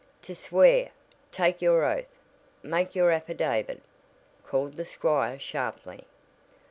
"To swear take your oath make your affidavit," called the squire sharply.